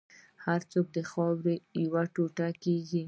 هر څوک د خاورې یو ټوټه کېږي.